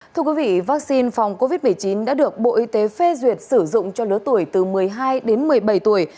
thưa quý vị vaccine phòng covid một mươi chín đã được bộ y tế phê duyệt sử dụng cho lứa tuổi từ một mươi hai đến một mươi bảy tuổi